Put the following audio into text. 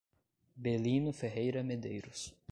Belino Ferreira Medeiros